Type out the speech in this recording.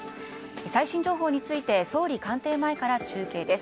最新情報について総理官邸前から中継です。